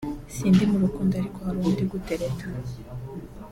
” Sindi mu rukundo ariko hari uwo ndi gutereta